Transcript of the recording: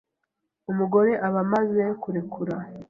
umugore aba amaze kurekura